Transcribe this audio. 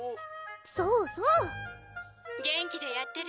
そうそう「元気でやってる？